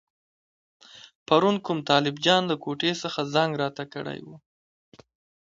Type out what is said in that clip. پرون کوم طالب جان له کوټې څخه زنګ راته کړی وو.